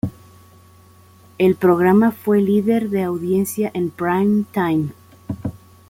El programa fue líder de audiencia en prime-time.